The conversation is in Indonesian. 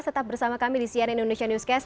tetap bersama kami di cnn indonesia newscast